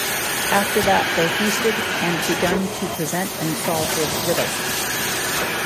After that they feasted and begun to present and solve riddles.